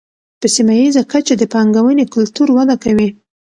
په سیمه ییزه کچه د پانګونې کلتور وده کوي.